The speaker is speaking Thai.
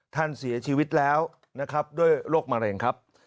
ท่านเสียชีวิตแล้วนะครับด้วยโรคมะเร็งครับ